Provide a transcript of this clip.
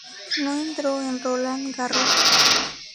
No entró en Roland Garros.